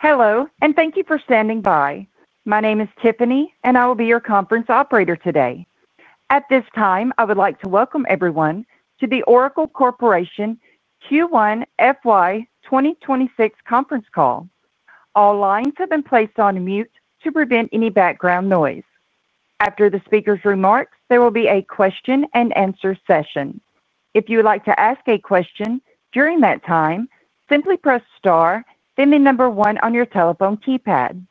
Hello, and thank you for standing by. My name is Tiffany, and I will be your conference operator today. At this time, I would like to welcome everyone to the Oracle Corporation Q1 FY 2026 Conference Call. All lines have been placed on mute to prevent any background noise. After the speaker's remarks, there will be a question and answer session. If you would like to ask a question during that time, simply press star, then the number one on your telephone keypad.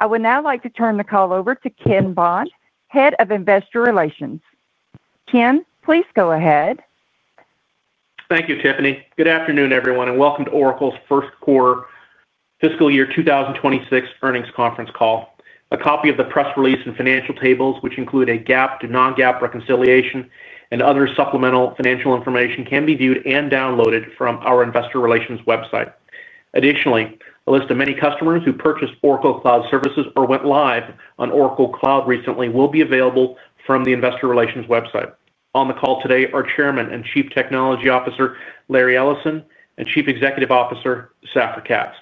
I would now like to turn the call over to Ken Bond, Head of Investor Relations. Ken, please go ahead. Thank you, Tiffany. Good afternoon, everyone, and welcome to Oracle's First Quarter Fiscal Year 2026 Earnings Conference Call. A copy of the press release and financial tables, which include a GAAP to non-GAAP reconciliation and other supplemental financial information, can be viewed and downloaded from our Investor Relations website. Additionally, a list of many customers who purchased Oracle Cloud services or went live on Oracle Cloud recently will be available from the Investor Relations website. On the call today are Chairman and Chief Technology Officer Larry Ellison and Chief Executive Officer Safra Catz.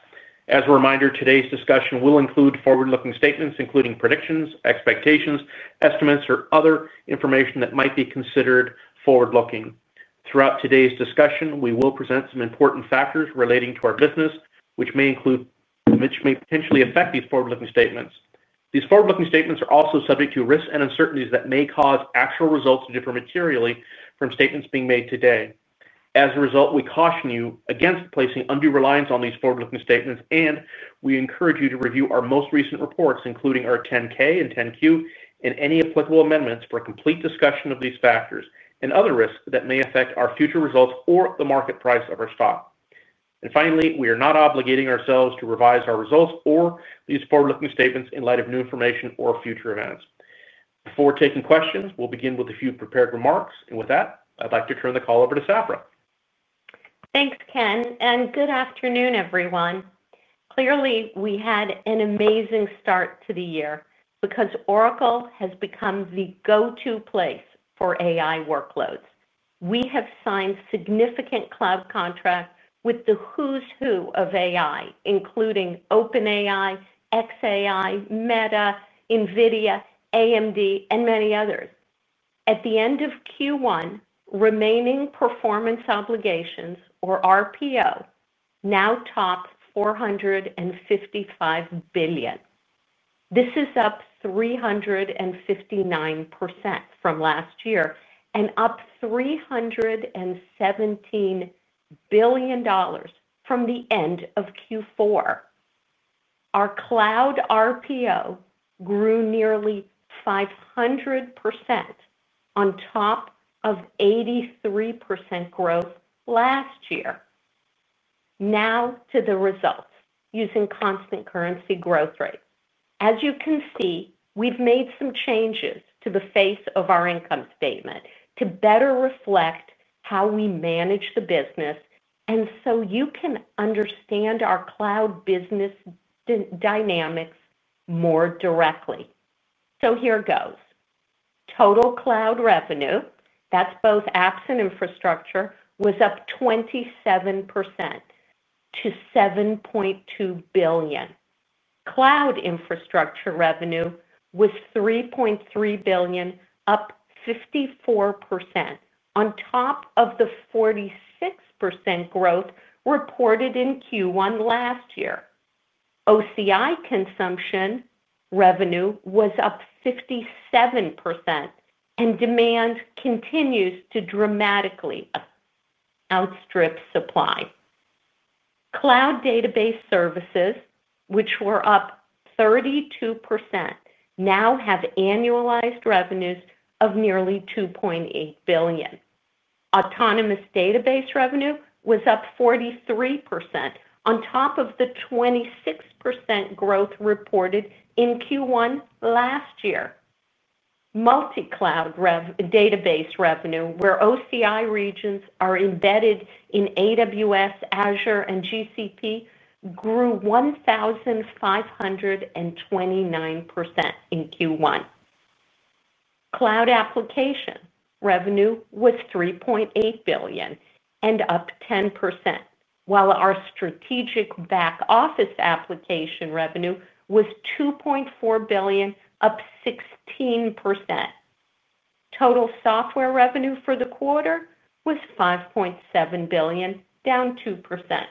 As a reminder, today's discussion will include forward-looking statements, including predictions, expectations, estimates, or other information that might be considered forward-looking. Throughout today's discussion, we will present some important factors relating to our business, which may potentially affect these forward-looking statements. These forward-looking statements are also subject to risks and uncertainties that may cause actual results to differ materially from statements being made today. As a result, we caution you against placing undue reliance on these forward-looking statements, and we encourage you to review our most recent reports, including our Form 10-K and Form 10-Q, and any applicable amendments for a complete discussion of these factors and other risks that may affect our future results or the market price of our stock. Finally, we are not obligating ourselves to revise our results or these forward-looking statements in light of new information or future events. Before taking questions, we'll begin with a few prepared remarks. With that, I'd like to turn the call over to Safra. Thanks, Ken, and good afternoon, everyone. Clearly, we had an amazing start to the year because Oracle has become the go-to place for AI workloads. We have signed significant cloud contracts with the who's who of AI, including OpenAI, xAI, Meta, NVIDIA, AMD, and many others. At the end of Q1, remaining performance obligations, or RPOs, now top $455 billion. This is up 359% from last year and up $317 billion from the end of Q4. Our cloud RPO grew nearly 500% on top of 83% growth last year. Now to the results using constant currency growth rate. As you can see, we've made some changes to the face of our income statement to better reflect how we manage the business and so you can understand our cloud business dynamics more directly. Total cloud revenue, that's both apps and infrastructure, was up 27% to $7.2 billion. Cloud Infrastructure revenue was $3.3 billion, up 54% on top of the 46% growth reported in Q1 last year. OCI consumption revenue was up 57%, and demand continues to dramatically outstrip supply. Cloud database services, which were up 32%, now have annualized revenues of nearly $2.8 billion. Autonomous Database revenue was up 43% on top of the 26% growth reported in Q1 last year. Mullticloud d atabase revenue, where OCI regions are embedded in AWS, Azure, and GCP, grew 1,529% in Q1. Cloud application revenue was $3.8 billion and up 10%, while our strategic back-office application revenue was $2.4 billion, up 16%. Total software revenue for the quarter was $5.7 billion, down 2%.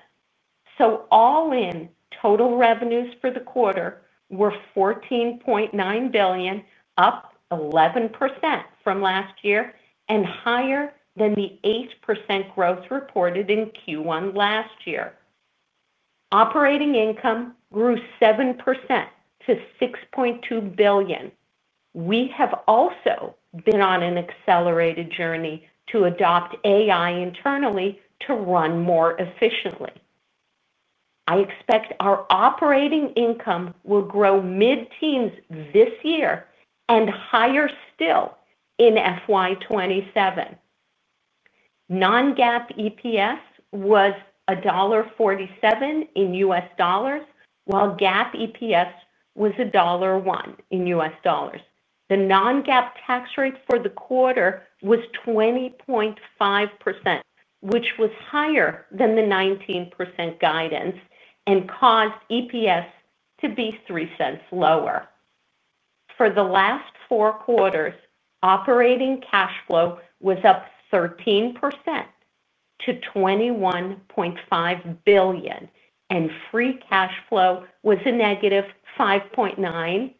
All in, total revenues for the quarter were $14.9 billion, up 11% from last year and higher than the 8% growth reported in Q1 last year. Operating income grew 7% to $6.2 billion. We have also been on an accelerated journey to adopt AI internally to run more efficiently. I expect our operating income will grow mid-teens this year and higher still in FY 2027. Non-GAAP EPS was $1.47 in U.S. dollars, while GAAP EPS was $1.01 in U.S. dollars. The non-GAAP tax rate for the quarter was 20.5%, which was higher than the 19% guidance and caused EPS to be $0.03 lower. For the last four quarters, operating cash flow was up 13% to $21.5 billion, and free cash flow was a $5.9- billion,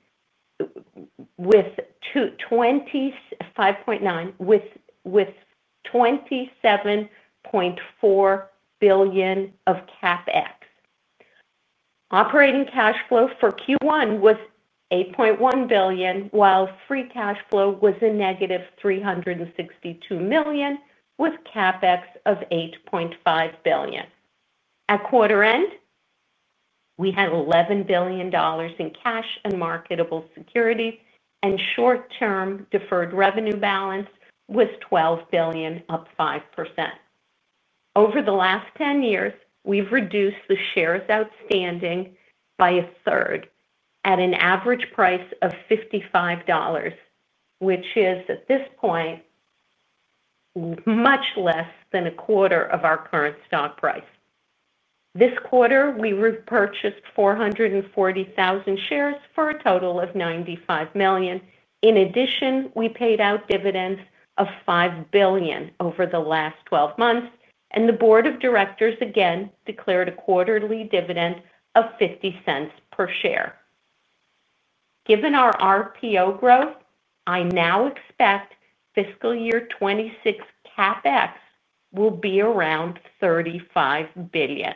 with $27.4 billion of CapEx. Operating cash flow for Q1 was $8.1 billion, while free cash flow was a $362- million, with CapEx of $8.5 billion. At quarter end, we had $11 billion in cash and marketable securities, and short-term deferred revenue balance was $12 billion, up 5%. Over the last 10 years, we've reduced the shares outstanding by a 1/3 at an average price of $55, which is, at this point, much less than a quarter of our current stock price. This quarter, we repurchased 440,000 shares for a total of $95 million. In addition, we paid out dividends of $5 billion over the last 12 months, and the Board of Directors again declared a quarterly dividend of $0.50 per share. Given our RPO growth, I now expect fiscal year 2026 CapEx will be around $35 billion.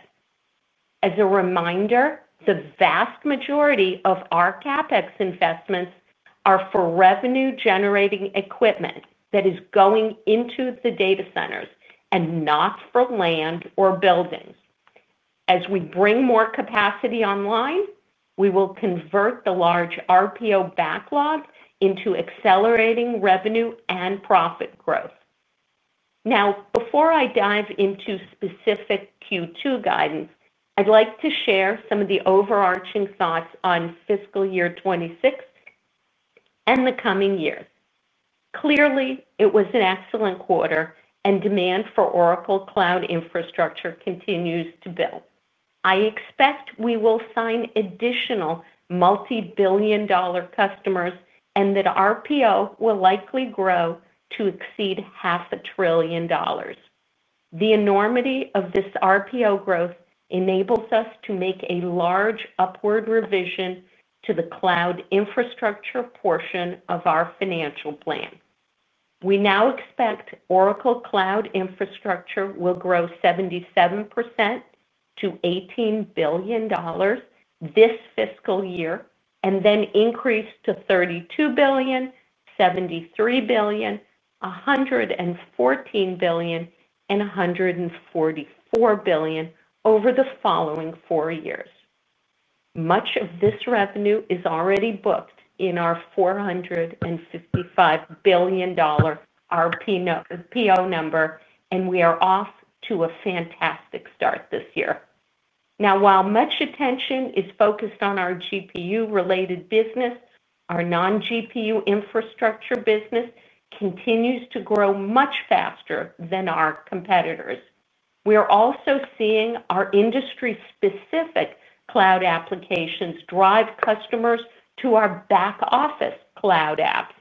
As a reminder, the vast majority of our CapEx investments are for revenue-generating equipment that is going into the data centers and not for land or buildings. As we bring more capacity online, we will convert the large RPO backlog into accelerating revenue and profit growth. Now, before I dive into specific Q2 guidance, I'd like to share some of the overarching thoughts on fiscal year 2026 and the coming years. Clearly, it was an excellent quarter, and demand for Oracle Cloud Infrastructure continues to build. I expect we will sign additional multi-billion dollar customers and that RPO will likely grow to exceed $500 billion. The enormity of this RPO growth enables us to make a large upward revision to the cloud infrastructure portion of our financial plan. We now expect Oracle Cloud Infrastructure will grow 77% to $18 billion this fiscal year and then increase to $32 billion, $73 billion, $114 billion, and $144 billion over the following four years. Much of this revenue is already booked in our $455 billion RPO number, and we are off to a fantastic start this year. While much attention is focused on our GPU-related business, our non-GPU infrastructure business continues to grow much faster than our competitors. We're also seeing our industry-specific cloud applications drive customers to our back-office cloud apps.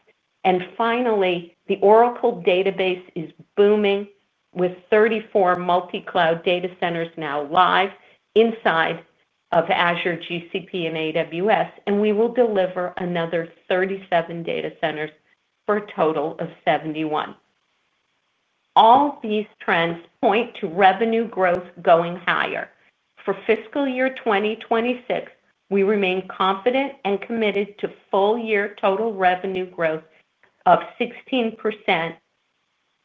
Finally, the Oracle Database is booming with 34 multi-cloud data centers now live inside of Azure, GCP, and AWS, and we will deliver another 37 data centers for a total of 71. All these trends point to revenue growth going higher. For fiscal year 2026, we remain confident and committed to full-year total revenue growth of 16%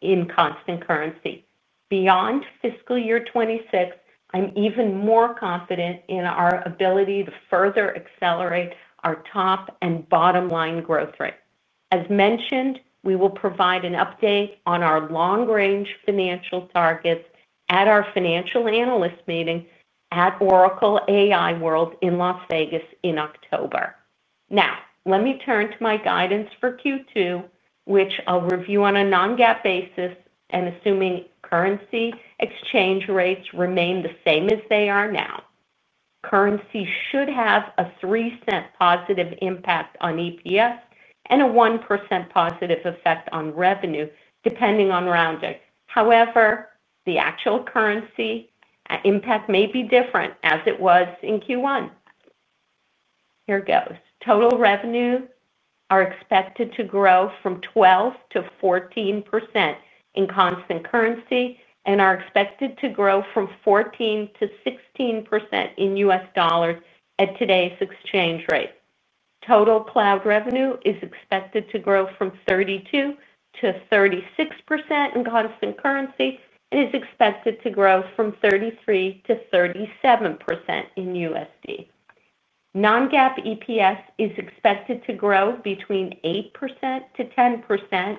in constant currency. Beyond fiscal year 2026, I'm even more confident in our ability to further accelerate our top and bottom line growth rate. As mentioned, we will provide an update on our long-range financial targets at our financial analyst meeting at Oracle AI World in Las Vegas in October. Now, let me turn to my guidance for Q2, which I'll review on a non-GAAP basis, and assuming currency exchange rates remain the same as they are now. Currency should have a $0.03+ impact on EPS and a 1%+ effect on revenue, depending on rounding. However, the actual currency impact may be different as it was in Q1. Here goes. Total revenue are expected to grow from 12% -1 4% in constant currency and are expected to grow from 14% - 16% in U.S. dollars at today's exchange rate. Total cloud revenue is expected to grow from 32% - 36% in constant currency and is expected to grow from 33% - 37% in USD. Non-GAAP EPS is expected to grow between 8% - 10%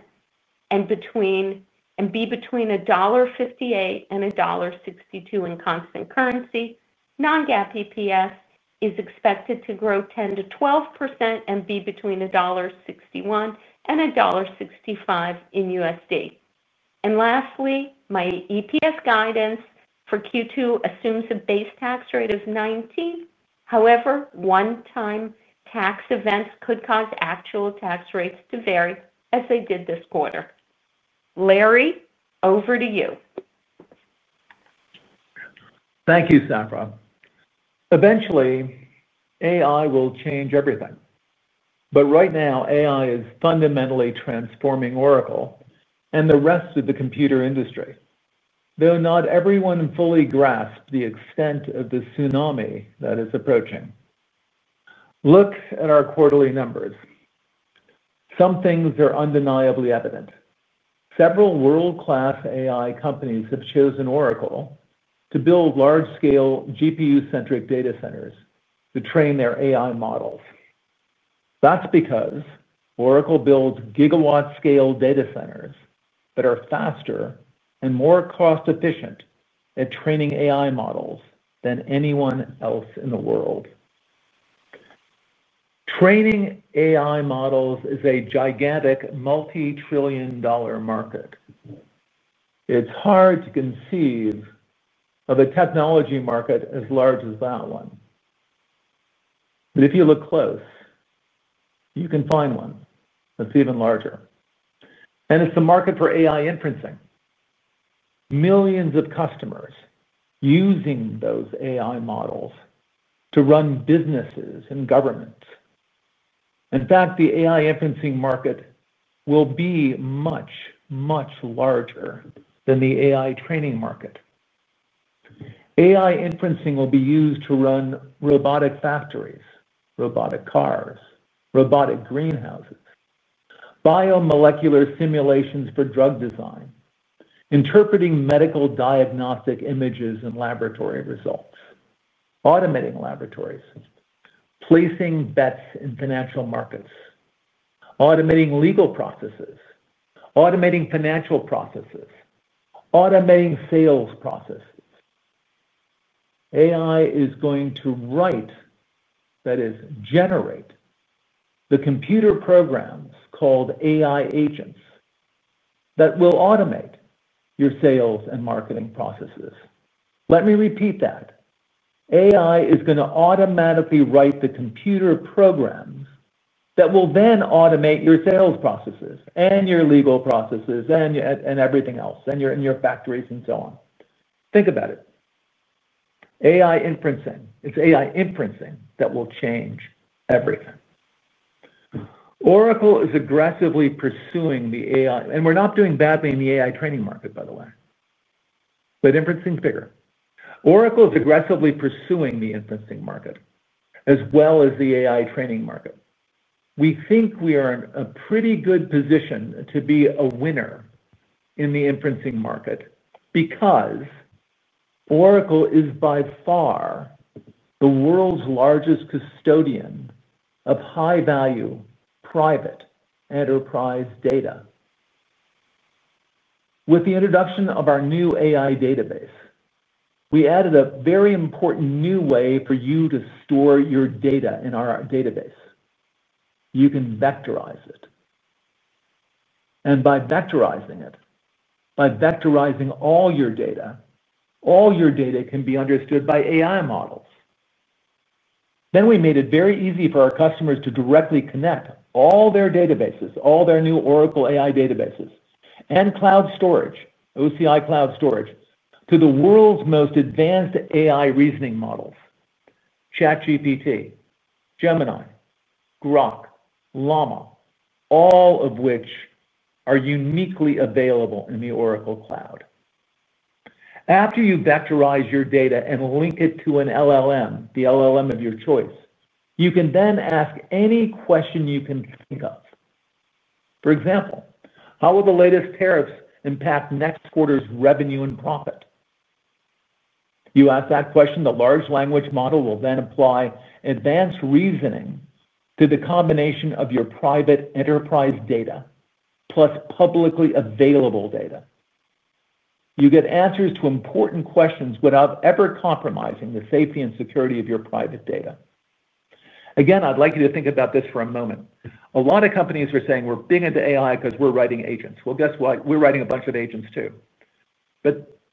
and be between $1.58 - $1.62 in constant currency. Non-GAAP EPS is expected to grow 10% - 12% and be between $1.61 - $1.65 in USD. Lastly, my EPS guidance for Q2 assumes a base tax rate of 19%. However, one-time tax events could cause actual tax rates to vary as they did this quarter. Larry, over to you. Thank you, Safra. Eventually, AI will change everything. Right now, AI is fundamentally transforming Oracle and the rest of the computer industry, though not everyone fully grasps the extent of the tsunami that is approaching. Look at our quarterly numbers. Some things are undeniably evident. Several world-class AI companies have chosen Oracle to build large-scale GPU-centric data centers to train their AI models. That's because Oracle builds GW-scale data centers that are faster and more cost-efficient at training AI models than anyone else in the world. Training AI models is a gigantic multi-trillion dollar market. It's hard to conceive of a technology market as large as that one. If you look close, you can find one that's even larger. It's the market for AI inferencing. Millions of customers using those AI models to run businesses and governments. In fact, the AI inferencing market will be much, much larger than the AI training market. AI inferencing will be used to run robotic factories, robotic cars, robotic greenhouses, biomolecular simulations for drug design, interpreting medical diagnostic images and laboratory results, automating laboratories, placing bets in financial markets, automating legal processes, automating financial processes, automating sales processes. AI is going to write, that is, generate, the computer programs called AI agents that will automate your sales and marketing processes. Let me repeat that. AI is going to automatically write the computer programs that will then automate your sales processes and your legal processes and everything else, and your factories, and so on. Think about it. AI inferencing. It's AI inferencing that will change everything. Oracle is aggressively pursuing the AI, and we're not doing badly in the AI training market, by the way. Inferencing is bigger. Oracle is aggressively pursuing the inferencing market, as well as the AI training market. We think we are in a pretty good position to be a winner in the inferencing market because Oracle is by far the world's largest custodian of high-value private enterprise data. With the introduction of our new AI database, we added a very important new way for you to store your data in our database. You can vectorize it. By vectorizing it, by vectorizing all your data, all your data can be understood by AI models. We made it very easy for our customers to directly connect all their databases, all their new Oracle AI Databases, and cloud storage, OCI cloud storage, to the world's most advanced AI reasoning models: ChatGPT, Gemini, Grok, Llama, all of which are uniquely available in the Oracle Cloud. After you vectorize your data and link it to an LLM, the LLM of your choice, you can then ask any question you can think of. For example, how will the latest tariffs impact next quarter's revenue and profit? You ask that question, the large language model will then apply advanced reasoning to the combination of your private enterprise data plus publicly available data. You get answers to important questions without ever compromising the safety and security of your private data. I would like you to think about this for a moment. A lot of companies are saying, we're big into AI because we're writing agents. Guess what? We're writing a bunch of agents too.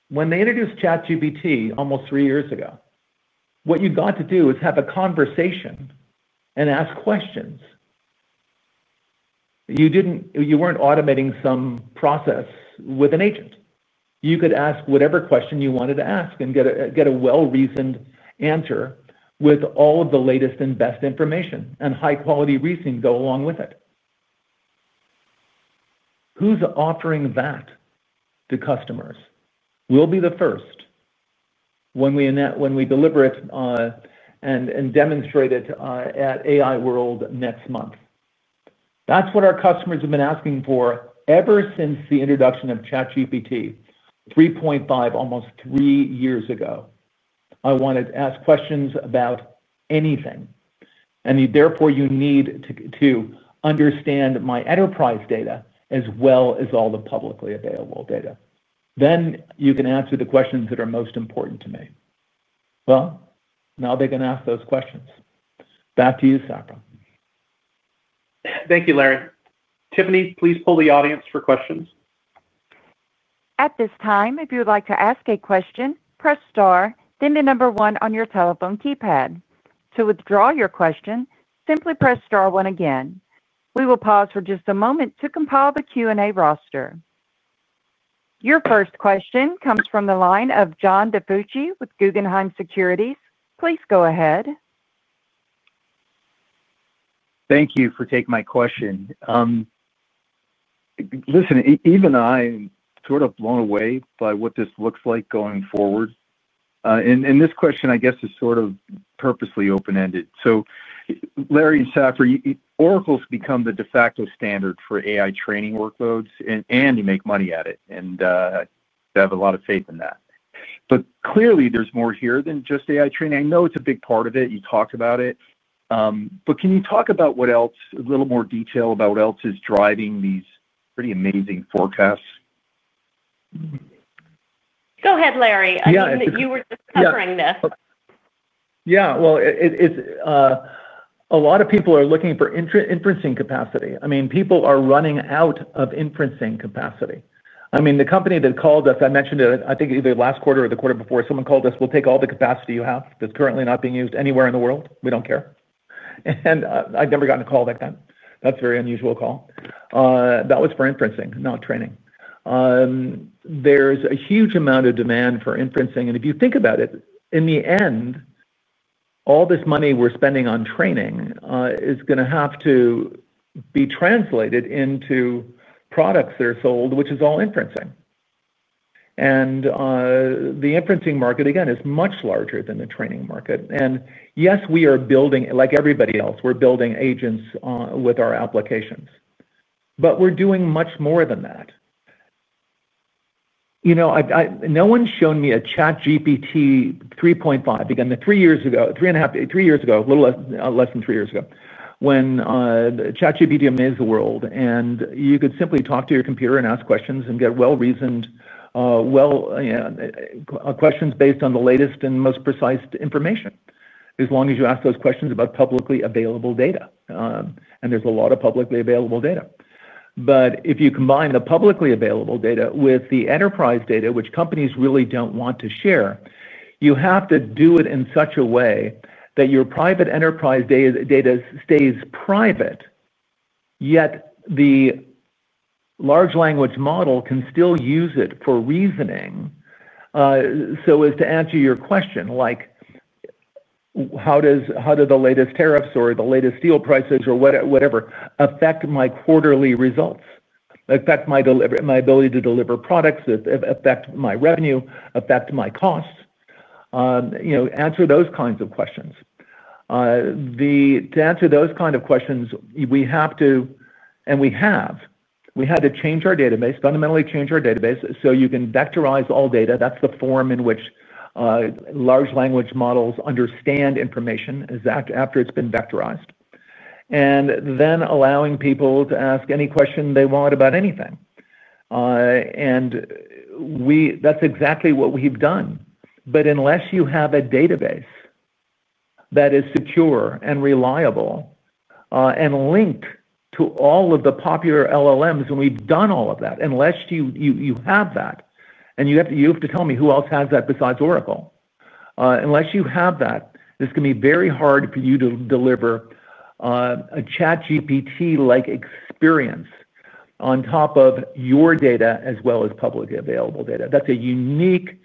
When they introduced ChatGPT almost three years ago, what you got to do is have a conversation and ask questions. You were not automating some process with an agent. You could ask whatever question you wanted to ask and get a well-reasoned answer with all of the latest and best information and high-quality reasoning to go along with it. Who is offering that to customers? We will be the first when we deliver it and demonstrate it at AI World next month. That is what our customers have been asking for ever since the introduction of ChatGPT 3.5 almost three years ago. I wanted to ask questions about anything. Therefore, you need to understand my enterprise data as well as all the publicly available data. You can answer the questions that are most important to me. Now they can ask those questions. Back to you, Safra. Thank you, Larry. Tiffany, please poll the audience for questions. At this time, if you would like to ask a question, press star, then the number one on your telephone keypad. To withdraw your question, simply press star one again. We will pause for just a moment to compile the Q&A roster. Your first question comes from the line of John DiFucci with Guggenheim Securities. Please go ahead. Thank you for taking my question. Listen, even I am sort of blown away by what this looks like going forward. This question, I guess, is sort of purposely open-ended. Larry and Safra, Oracle's become the de facto standard for AI training workloads, and you make money at it. I have a lot of faith in that. Clearly, there's more here than just AI training. I know it's a big part of it. You talked about it. Can you talk about what else, a little more detail about what else is driving these pretty amazing forecasts? Go ahead, Larry. I think that you were just covering this. A lot of people are looking for inferencing capacity. People are running out of inferencing capacity. The company that called us, I mentioned it, I think either last quarter or the quarter before, someone called us, we'll take all the capacity you have that's currently not being used anywhere in the world. We don't care. I'd never gotten a call like that. That's a very unusual call. That was for inferencing, not training. There's a huge amount of demand for inferencing. If you think about it, in the end, all this money we're spending on training is going to have to be translated into products that are sold, which is all inferencing. The inferencing market, again, is much larger than the training market. Yes, we are building, like everybody else, we're building agents with our applications. We're doing much more than that. No one's shown me a ChatGPT 3.5 again. Three years ago, three and a half, three years ago, a little less than three years ago, when ChatGPT amazed the world, you could simply talk to your computer and ask questions and get well-reasoned questions based on the latest and most precise information, as long as you ask those questions about publicly available data. There's a lot of publicly available data. If you combine the publicly available data with the enterprise data, which companies really don't want to share, you have to do it in such a way that your private enterprise data stays private, yet the large language model can still use it for reasoning. As to answer your question, like how do the latest tariffs or the latest steel prices or whatever affect my quarterly results, affect my ability to deliver products, affect my revenue, affect my costs, answer those kinds of questions. To answer those kinds of questions, we have to, and we have, we had to change our database, fundamentally change our database, so you can vectorize all data. That's the form in which large language models understand information exactly after it's been vectorized. Then allowing people to ask any question they want about anything. That's exactly what we've done. Unless you have a database that is secure and reliable and linked to all of the popular LLMs, and we've done all of that, unless you have that, you have to tell me who else has that besides Oracle. Unless you have that, this can be very hard for you to deliver a ChatGPT-like experience on top of your data as well as publicly available data. That is a unique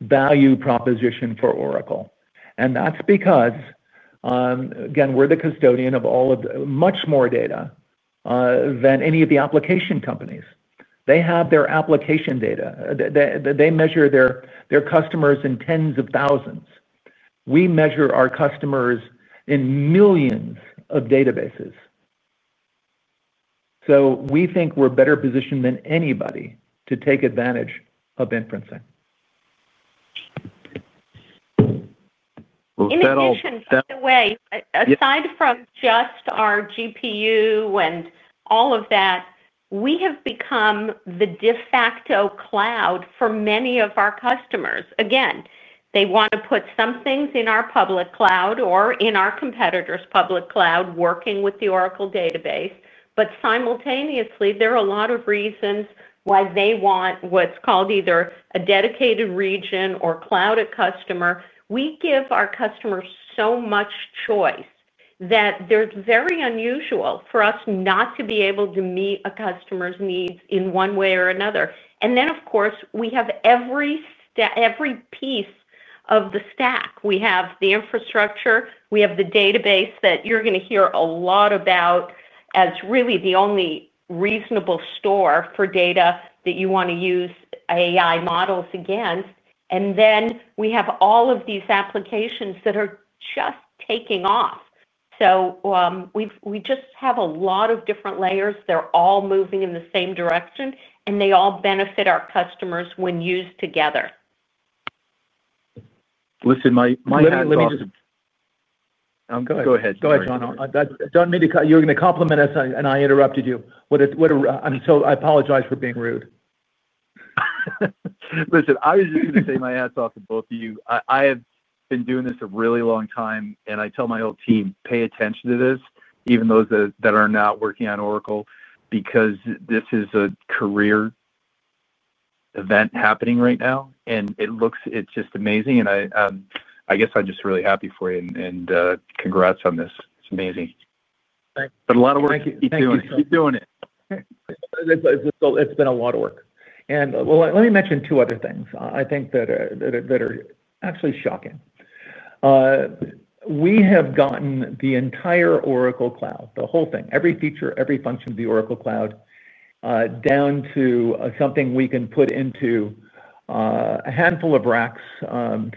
value proposition for Oracle. That is because, again, we're the custodian of all of much more data than any of the application companies. They have their application data. They measure their customers in tens of thousands. We measure our customers in millions of databases. We think we're better positioned than anybody to take advantage of inferencing. In addition, by the way, aside from just our GPU and all of that, we have become the de facto cloud for many of our customers. Again, they want to put some things in our public cloud or in our competitors' public cloud working with the Oracle Database. Simultaneously, there are a lot of reasons why they want what's called either a dedicated region or Cloud@Customer. We give our customers so much choice that it's very unusual for us not to be able to meet a customer's needs in one way or another. Of course, we have every piece of the stack. We have the infrastructure. We have the database that you're going to hear a lot about as really the only reasonable store for data that you want to use AI models against. We have all of these applications that are just taking off. We just have a lot of different layers. They're all moving in the same direction, and they all benefit our customers when used together. Listen, my apologies. L et me just— Go ahead. Go ahead, John. John, you were going to compliment us, and I interrupted you. I apologize for being rude. I was just going to say my hat's off to both of you. I have been doing this a really long time, and I tell my whole team, pay attention to this, even those that are not working on Oracle, because this is a career event happening right now. It looks, it's just amazing. I guess I'm just really happy for you. Congrats on this. It's amazing. Thanks. A lot of work. Keep doing it. It's been a lot of work. Let me mention two other things I think that are actually shocking. We have gotten the entire Oracle Cloud, the whole thing, every feature, every function of the Oracle Cloud, down to something we can put into a handful of racks,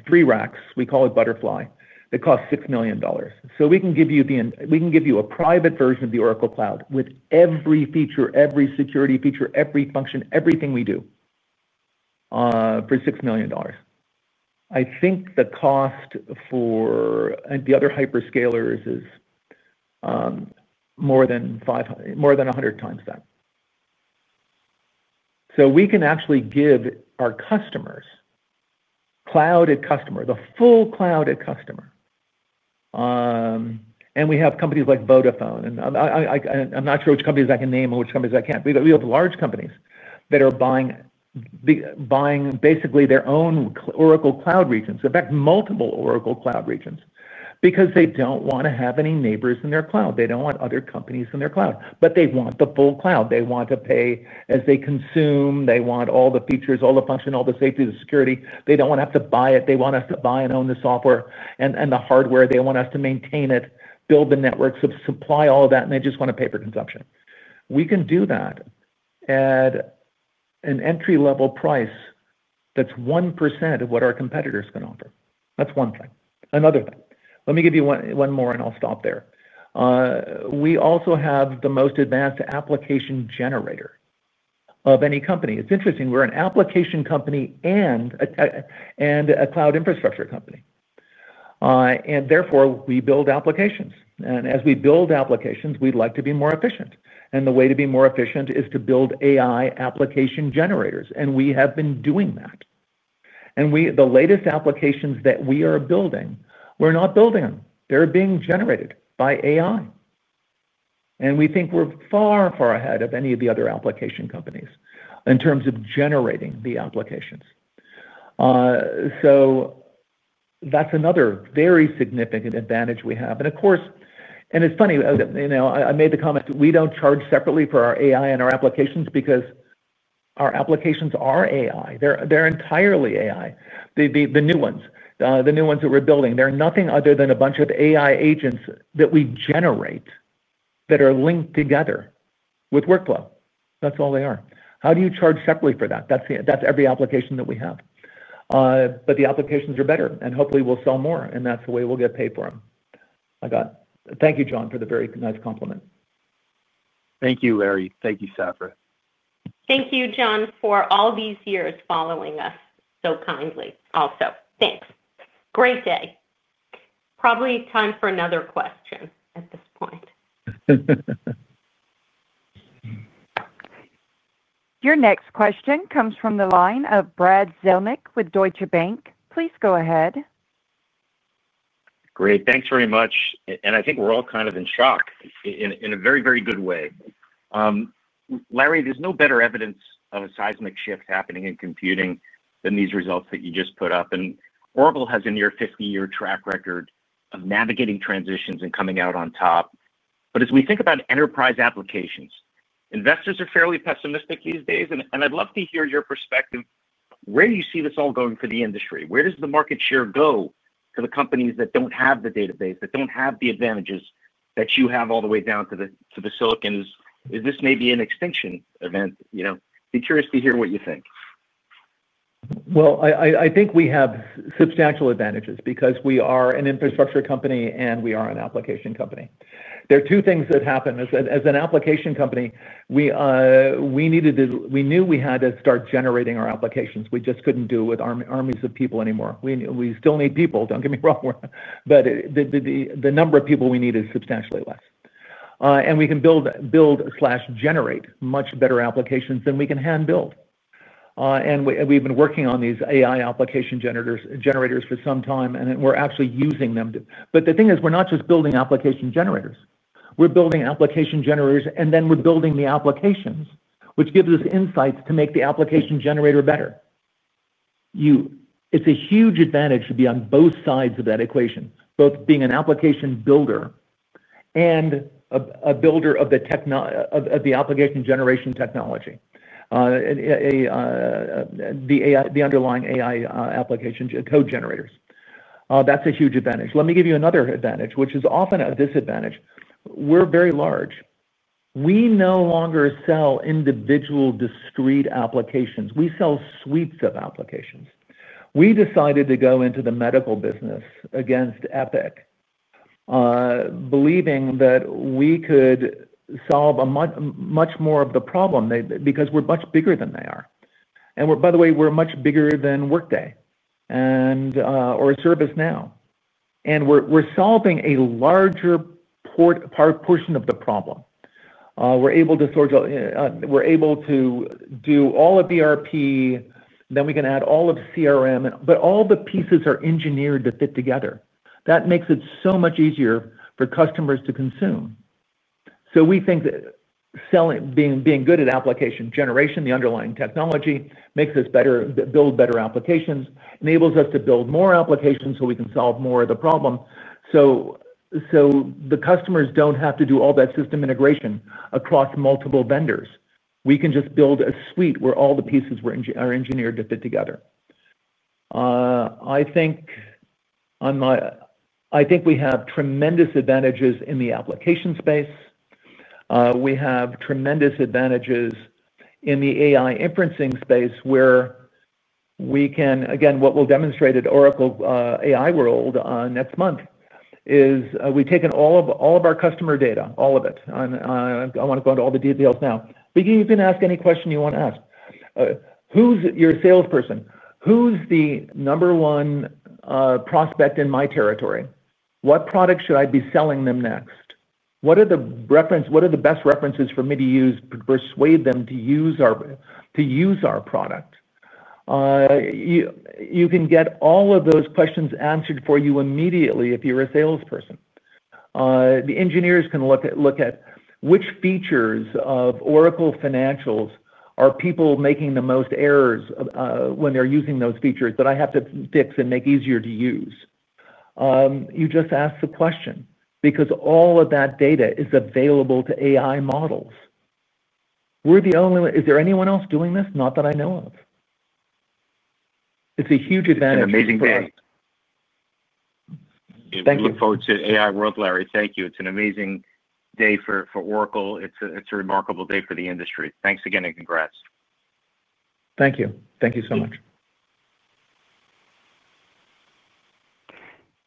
three racks. We call it Butterfly. That costs $6 million. We can give you a private version of the Oracle Cloud with every feature, every security feature, every function, everything we do for $6 million. I think the cost for the other hyperscalers is more than 100x that. We can actually give our customers, clouded customers, the full clouded customer. We have companies like Vodafone, and I'm not sure which companies I can name or which companies I can't. We have large companies that are buying basically their own Oracle Cloud regions, in fact, multiple Oracle Cloud regions, because they don't want to have any neighbors in their cloud. They don't want other companies in their cloud. They want the full cloud. They want to pay as they consume. They want all the features, all the function, all the safety, the security. They don't want to have to buy it. They want us to buy and own the software and the hardware. They want us to maintain it, build the networks, supply all of that, and they just want a pay-per-consumption. We can do that at an entry-level price that's 1% of what our competitors can offer. That's one thing. Let me give you one more, and I'll stop there. We also have the most advanced application generator of any company. It's interesting. We're an application company and a cloud infrastructure company. Therefore, we build applications. As we build applications, we'd like to be more efficient. The way to be more efficient is to build AI application generators. We have been doing that. The latest applications that we are building, we're not building them. They're being generated by AI. We think we're far, far ahead of any of the other application companies in terms of generating the applications. That's another very significant advantage we have. Of course, it's funny, you know, I made the comment, we don't charge separately for our AI and our applications because our applications are AI. They're entirely AI. The new ones, the new ones that we're building, they're nothing other than a bunch of AI agents that we generate that are linked together with workflow. That's all they are. How do you charge separately for that? That's every application that we have. The applications are better, and hopefully, we'll sell more, and that's the way we'll get paid for them. I got it. Thank you, John, for the very nice compliment. Thank you, Larry. Thank you, Safra. Thank you, John, for all these years following us so kindly. Also, thanks. Great day. Probably time for another question at this point. Your next question comes from the line of Brad Zelnick with Deutsche Bank. Please go ahead. Great. Thanks very much. I think we're all kind of in shock in a very, very good way. Larry, there's no better evidence of a seismic shift happening in computing than these results that you just put up. Oracle has a near 50-year track record of navigating transitions and coming out on top. As we think about enterprise applications, investors are fairly pessimistic these days. I'd love to hear your perspective. Where do you see this all going for the industry? Where does the market share go to the companies that don't have the database, that don't have the advantages that you have all the way down to the silicons? This may be an extinction event. I'd be curious to hear what you think. I think we have substantial advantages because we are an infrastructure company and we are an application company. There are two things that happened. As an application company, we knew we had to start generating our applications. We just couldn't do it with armies of people anymore. We still need people, don't get me wrong, but the number of people we need is substantially less. We can build/generate much better applications than we can hand-build. We've been working on these AI application generators for some time, and we're actually using them. The thing is, we're not just building application generators. We're building application generators, and then we're building the applications, which gives us insights to make the application generator better. It's a huge advantage to be on both sides of that equation, both being an application builder and a builder of the application generation technology, the underlying AI application code generators. That's a huge advantage. Let me give you another advantage, which is often a disadvantage. We're very large. We no longer sell individual discrete applications. We sell suites of applications. We decided to go into the medical business against Epic, believing that we could solve much more of the problem because we're much bigger than they are. By the way, we're much bigger than Workday or ServiceNow, and we're solving a larger portion of the problem. We're able to do all of ERP, then we can add all of CRM, but all the pieces are engineered to fit together. That makes it so much easier for customers to consume. We think that being good at application generation, the underlying technology, makes us better at building better applications, enables us to build more applications so we can solve more of the problem. The customers don't have to do all that system integration across multiple vendors. We can just build a suite where all the pieces are engineered to fit together. I think we have tremendous advantages in the application space. We have tremendous advantages in the AI inferencing space where we can, again, what we'll demonstrate at Oracle AI World next month is we've taken all of our customer data, all of it. I don't want to go into all the details now, but you can ask any question you want to ask. Who's your salesperson? Who's the number one prospect in my territory? What product should I be selling them next? What are the best references for me to use to persuade them to use our product? You can get all of those questions answered for you immediately if you're a salesperson. The engineers can look at which features of Oracle Financials are people making the most errors when they're using those features that I have to fix and make easier to use. You just ask the question because all of that data is available to AI models. Is there anyone else doing this? Not that I know of. It's a huge advantage. It's an amazing day. We look forward to AI World, Larry. Thank you. It's an amazing day for Oracle. It's a remarkable day for the industry. Thanks again and congrats. Thank you. Thank you so much.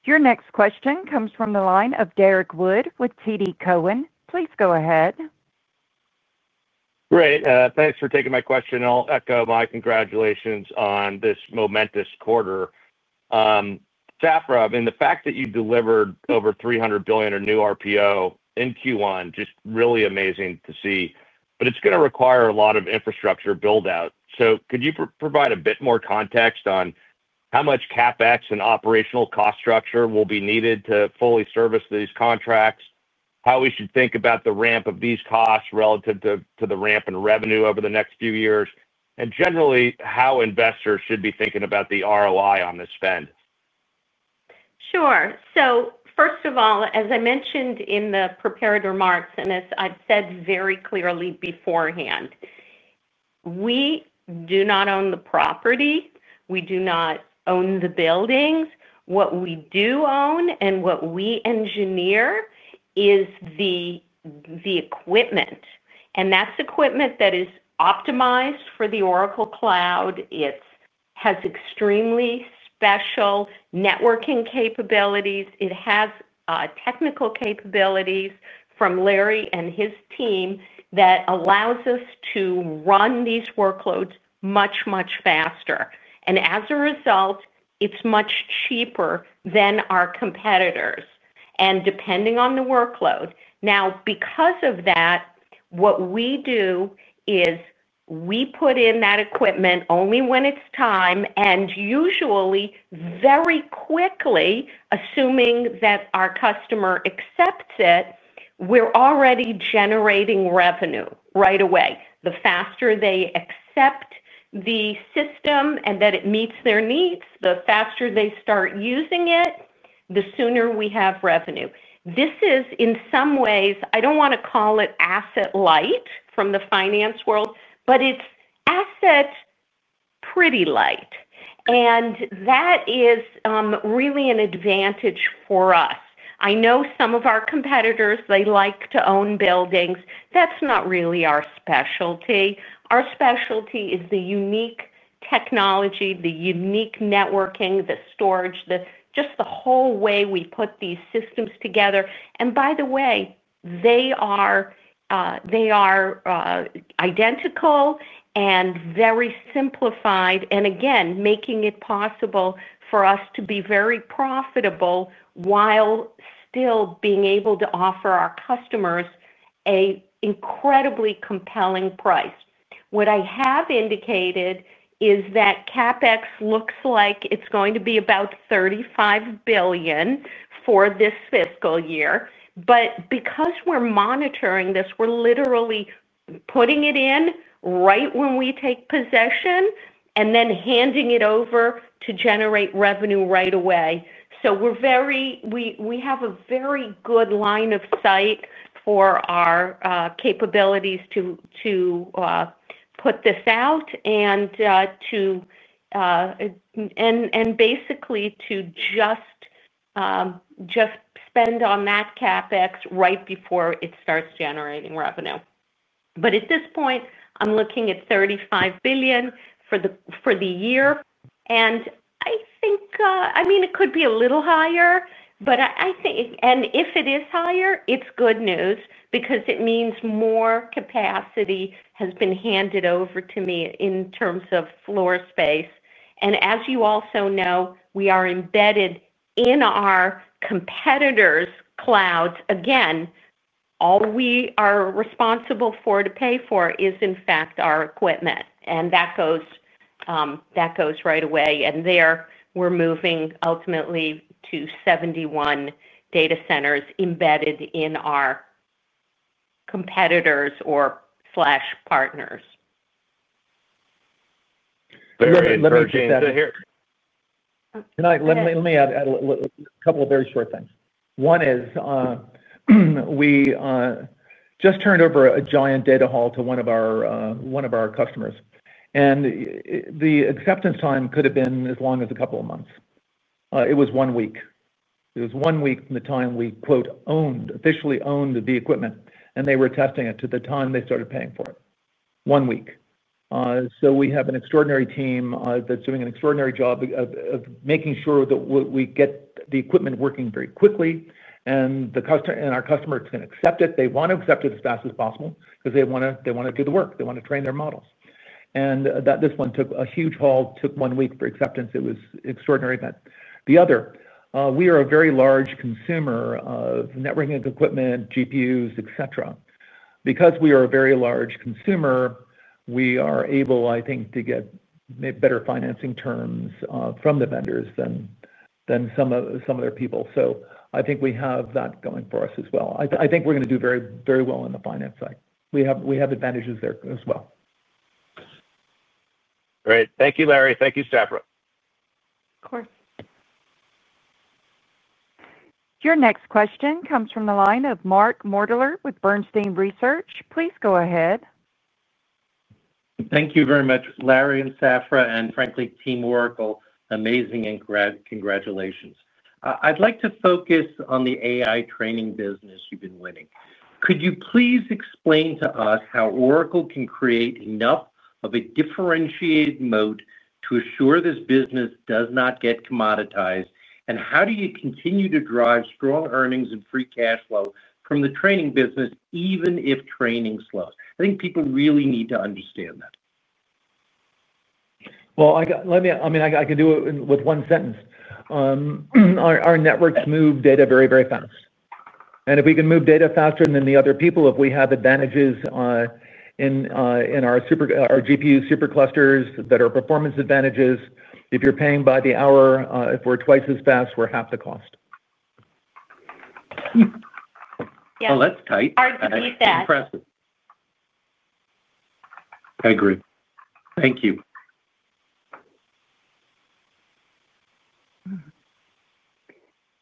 Your next question comes from the line of Derrick Wood with TD Cowen. Please go ahead. Great. Thanks for taking my question. I'll echo my congratulations on this momentous quarter. Safra, I mean, the fact that you delivered over $300 billion in new RPO in Q1 is just really amazing to see. It's going to require a lot of infrastructure build-out. Could you provide a bit more context on how much CapEx and operational cost structure will be needed to fully service these contracts, how we should think about the ramp of these costs relative to the ramp in revenue over the next few years, and generally, how investors should be thinking about the ROI on this spend? Sure. First of all, as I mentioned in the prepared remarks and as I've said very clearly beforehand, we do not own the property. We do not own the buildings. What we do own and what we engineer is the equipment, and that's equipment that is optimized for the Oracle Cloud. It has extremely special networking capabilities. It has technical capabilities from Larry and his team that allow us to run these workloads much, much faster. As a result, it's much cheaper than our competitors, depending on the workload. Now, because of that, what we do is we put in that equipment only when it's time. Usually, very quickly, assuming that our customer accepts it, we're already generating revenue right away. The faster they accept the system and that it meets their needs, the faster they start using it, the sooner we have revenue. This is, in some ways, I don't want to call it asset light from the finance world, but it's asset pretty light. That is really an advantage for us. I know some of our competitors like to own buildings. That's not really our specialty. Our specialty is the unique technology, the unique networking, the storage, just the whole way we put these systems together. By the way, they are identical and very simplified, again, making it possible for us to be very profitable while still being able to offer our customers an incredibly compelling price. What I have indicated is that CapEx looks like it's going to be about $35 billion for this fiscal year. Because we're monitoring this, we're literally putting it in right when we take possession and then handing it over to generate revenue right away. We have a very good line of sight for our capabilities to put this out and basically to just spend on that CapEx right before it starts generating revenue. At this point, I'm looking at $35 billion for the year. I think it could be a little higher, and if it is higher, it's good news because it means more capacity has been handed over to me in terms of floor space. As you also know, we are embedded in our competitors' clouds. Again, all we are responsible for to pay for is, in fact, our equipment, and that goes right away. There, we're moving ultimately to 71 data centers embedded in our competitors/partners. Let me just add a couple of very short things. One is we just turned over a giant data hall to one of our customers. The acceptance time could have been as long as a couple of months. It was one week. It was one week from the time we, quote, "officially owned the equipment," and they were testing it to the time they started paying for it. One week. We have an extraordinary team that's doing an extraordinary job of making sure that we get the equipment working very quickly, and our customers can accept it. They want to accept it as fast as possible because they want to do the work. They want to train their models. This one took a huge hall, took one week for acceptance. It was an extraordinary event. We are a very large consumer of networking equipment, GPUs, et cetera. Because we are a very large consumer, we are able, I think, to get better financing terms from the vendors than some other people. I think we have that going for us as well. I think we're going to do very well on the finance side. We have advantages there as well. Great. Thank you, Larry. Thank you, Safra. Of course. Your next question comes from the line of Mark Moerdler with Bernstein Research. Please go ahead. Thank you very much, Larry and Safra, and frankly, team Oracle, amazing, and congratulations. I'd like to focus on the AI training business you've been winning. Could you please explain to us how Oracle can create enough of a differentiated moat to assure this business does not get commoditized? How do you continue to drive strong earnings and free cash flow from the training business, even if training slows? I think people really need to understand that. I can do it with one sentence. Our networks move data very, very fast. If we can move data faster than the other people, if we have advantages in our GPU superclusters that are performance advantages, if you're paying by the hour, if we're twice as fast, we're half the cost. That's tight. Our defense. I agree. Thank you.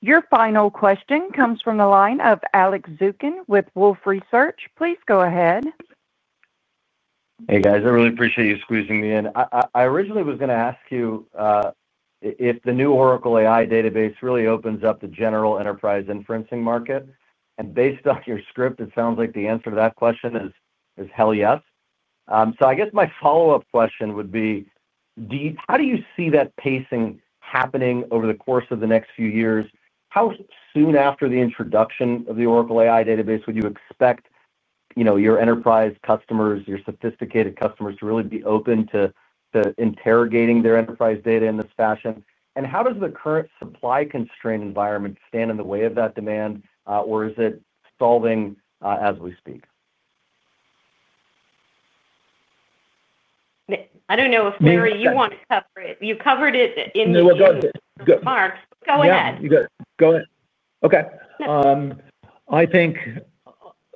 Your final question comes from the line of Alex Zukin with Wolfe Research. Please go ahead. Hey, guys. I really appreciate you squeezing me in. I originally was going to ask you if the new Oracle AI Database really opens up the general enterprise inferencing market. Based on your script, it sounds like the answer to that question is hell yes. I guess my follow-up question would be, how do you see that pacing happening over the course of the next few years? How soon after the introduction of the Oracle AI Database would you expect your enterprise customers, your sophisticated customers, to really be open to interrogating their enterprise data in this fashion? How does the current supply constraint environment stand in the way of that demand, or is it solving as we speak? I don't know if, Larry, you want to cover it. You covered it in the. No, I've done it. G o ahead. Yeah, you got it. Go ahead. OK. I think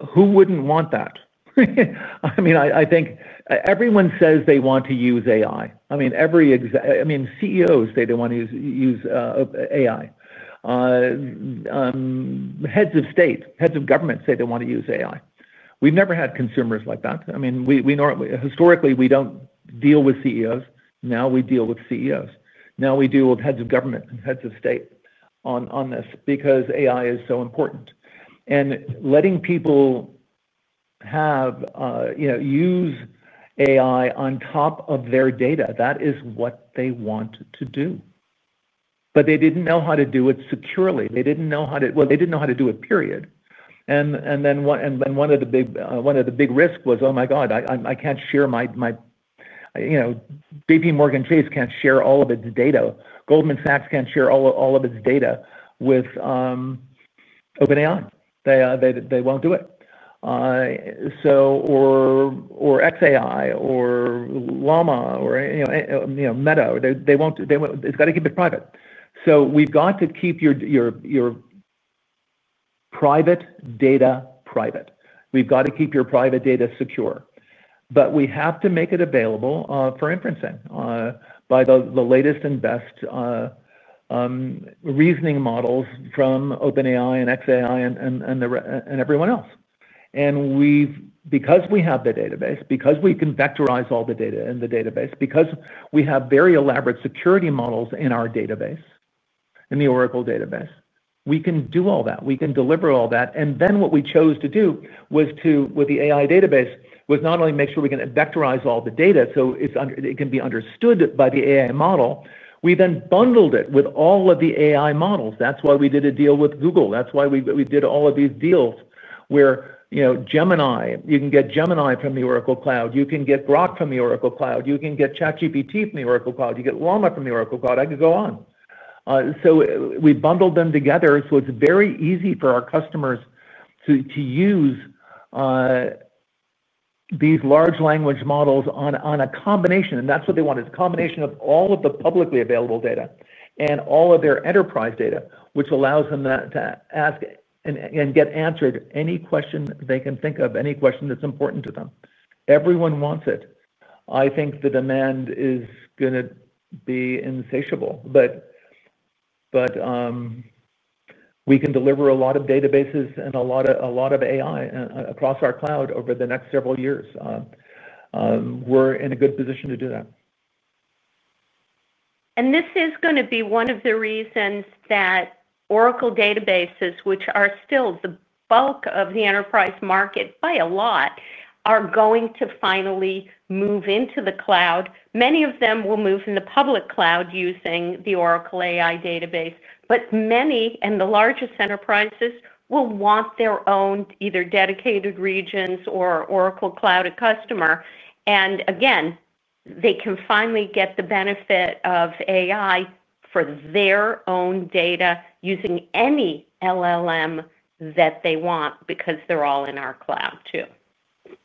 who wouldn't want that? I mean, I think everyone says they want to use AI. CEOs say they want to use AI. Heads of state, heads of government say they want to use AI. We've never had consumers like that. Historically, we don't deal with CEOs. Now we deal with CEOs. Now we deal with heads of government and heads of state on this because AI is so important. Letting people use AI on top of their data, that is what they want to do. They didn't know how to do it securely. They didn't know how to do it, period. One of the big risks was, oh my god, I can't share my, you know, JPMorgan Chase can't share all of its data. Goldman Sachs can't share all of its data with OpenAI. They won't do it. Or xAI or Llama or Meta. It's got to keep it private. We've got to keep your private data private. We've got to keep your private data secure. We have to make it available for inferencing by the latest and best reasoning models from OpenAI and xAI and everyone else. Because we have the database, because we can vectorize all the data in the database, because we have very elaborate security models in our database, in the Oracle Database, we can do all that. We can deliver all that. What we chose to do with the AI database was not only make sure we can vectorize all the data so it can be understood by the AI model, we then bundled it with all of the AI models. That's why we did a deal with Google. That's why we did all of these deals where Gemini, you can get Gemini from the Oracle Cloud. You can get Grok from the Oracle Cloud. You can get ChatGPT from the Oracle Cloud. You get Llama from the Oracle Cloud. I could go on. We bundled them together so it's very easy for our customers to use these large language models on a combination. That's what they wanted, a combination of all of the publicly available data and all of their enterprise data, which allows them to ask and get answered any question they can think of, any question that's important to them. Everyone wants it. I think the demand is going to be insatiable. We can deliver a lot of databases and a lot of AI across our cloud over the next several years. We're in a good position to do that. This is going to be one of the reasons that Oracle databases, which are still the bulk of the enterprise market by a lot, are going to finally move into the cloud. Many of them will move in the public cloud using the Oracle AI Database. Many and the largest enterprises will want their own either dedicated regions or Oracle Cloud customer. They can finally get the benefit of AI for their own data using any LLM that they want because they're all in our cloud too. It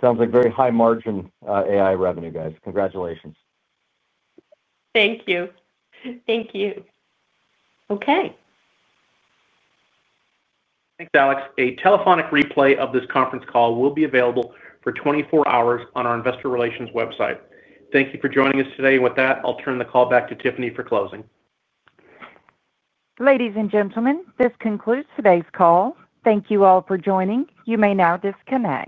sounds like very high margin AI revenue, guys. Congratulations. Thank you. Thank you. OK. Thanks, Alex. A telephonic replay of this conference call will be available for 24 hours on our Investor Relations website. Thank you for joining us today. I'll turn the call back to Tiffany for closing. Ladies and gentlemen, this concludes today's call. Thank you all for joining. You may now disconnect.